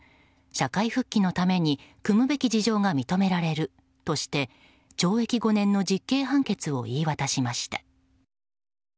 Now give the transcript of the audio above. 社会復帰のためにくむべき事情が認められるとして懲役５年の実刑判決を言い渡しました。